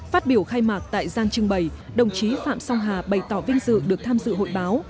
phát biểu khai mạc tại gian trưng bày đồng chí phạm song hà bày tỏ vinh dự được tham dự hội báo